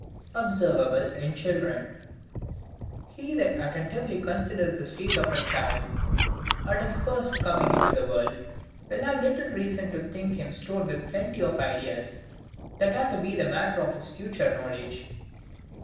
Observable in Children. He that attentively considers the state of a child, at his first coming into the world, will have little reason to think him stored with plenty of ideas, that are to be the matter of his future knowledge.